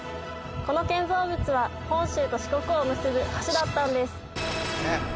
この建造物は本州と四国を結ぶ橋だったんです